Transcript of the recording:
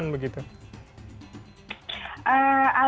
alhamdulillahnya saya juga gak nyangka mas